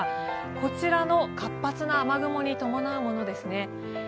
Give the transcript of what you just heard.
こちらの活発な雨雲に伴うものですね。